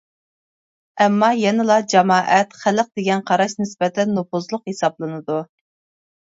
ئەمما، يەنىلا «جامائەت، خەلق» دېگەن قاراش نىسبەتەن نوپۇزلۇق ھېسابلىنىدۇ.